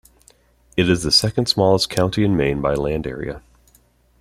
It is the second-smallest county in Maine by land area.